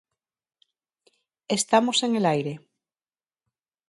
Estamos en el aire.